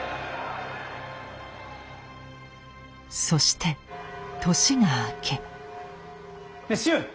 そして年が明け。